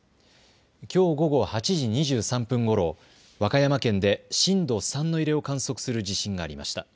きょう午後８時２３分ごろ、和歌山県で震度３の揺れを観測する地震がありました。